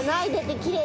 きれい。